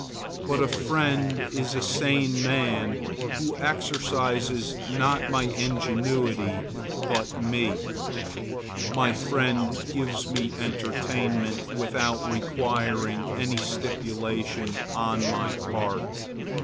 But a friend is a sane man who exercises not my ingenuity, but me. My friend gives me entertainment without requiring any stipulation on my part.